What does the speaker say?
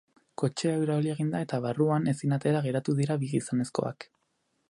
Kotxea irauli egin da eta barruan, ezin atera geratu dira bi gizonezkoak.